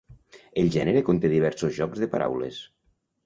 El gènere conté diversos jocs de paraules.